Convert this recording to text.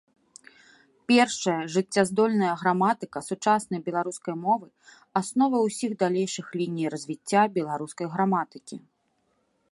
Першая жыццяздольная граматыка сучаснай беларускай мовы, аснова ўсіх далейшых ліній развіцця беларускай граматыкі.